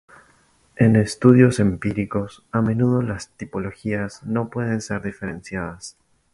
En estudios empíricos, a menudo las tipologías no pueden ser diferenciadas.